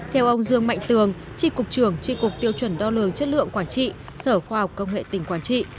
theo ông dương mạnh tường trị cục trưởng trị cục tiêu chuẩn đo lường chất lượng quảng trị sở khoa học công nghệ tỉnh quảng trị